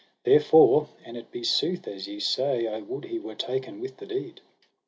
Therefore an it be sooth as ye say, I would he were taken with the deed.